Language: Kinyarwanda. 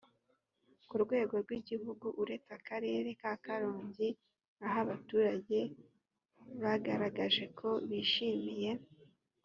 ku rwego rw igihugu uretse akarere ka karongi aho abaturage bagaragaje ko bishimiye